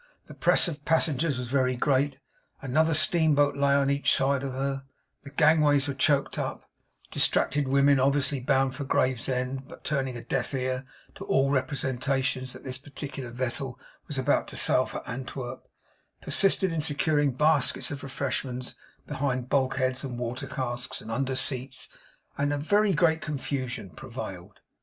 The press of passengers was very great; another steam boat lay on each side of her; the gangways were choked up; distracted women, obviously bound for Gravesend, but turning a deaf ear to all representations that this particular vessel was about to sail for Antwerp, persisted in secreting baskets of refreshments behind bulk heads, and water casks, and under seats; and very great confusion prevailed.